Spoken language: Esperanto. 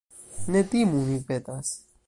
Ne timu, mi petas.